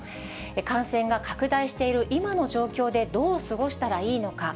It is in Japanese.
感染が拡大している今の状況でどう過ごしたらいいのか。